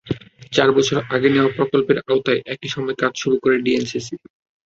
চার বছর আগে নেওয়া প্রকল্পের আওতায় একই সময় কাজ শুরু করে ডিএনসিসি।